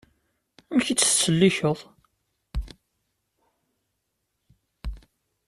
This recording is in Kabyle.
Amek i tt-tettsellikeḍ?